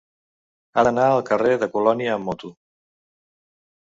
He d'anar al carrer de Colònia amb moto.